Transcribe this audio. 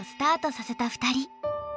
させた２人。